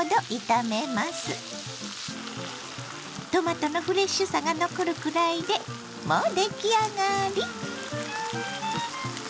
トマトのフレッシュさが残るくらいでもう出来上がり！